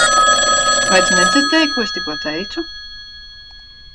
Vai tu nedzirdēji, ko es tikko teicu?